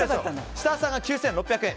設楽さんが９６００円。